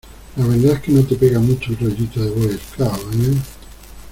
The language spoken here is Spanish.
la verdad es que no te pega mucho el rollito de boy scout, ¿ eh?